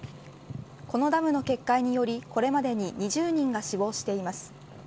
このダムの決壊によりこれまでに２０人が死亡しています。